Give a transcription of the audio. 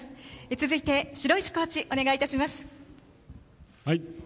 続いて、城石コーチお願いいたします。